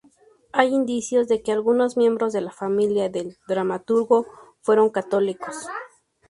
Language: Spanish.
Hay indicios de que algunos miembros de la familia del dramaturgo fueron católicos.